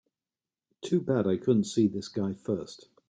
Too bad I couldn't see this guy first.